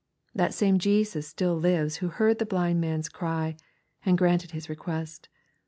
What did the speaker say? That same Jesus still lives who heard the blind man's cry. and granted his request.